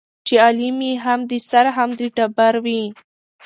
چي غلیم یې هم د سر هم د ټبر وي